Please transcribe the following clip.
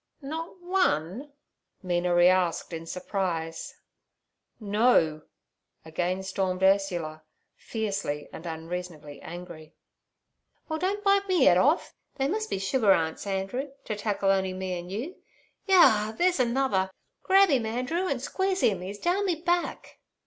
'Not one?' Mina reasked in surprise. 'No' again stormed Ursula, fiercely and unreasonably angry. 'Well, don't bite me 'ead off. They must be sugar arnts, Andrew, to tackle on'y me and you. Yah! there's another. Grab 'im, Andrew, and squeeze him. He's down me back.'